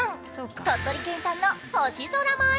鳥取県産の星空舞。